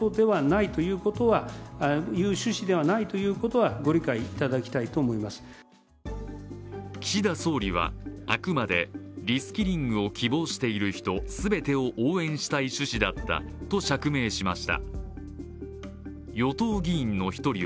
今日、国会では岸田総理は、あくまでリスキリングを希望している人全てを応援したい趣旨だったと釈明しました。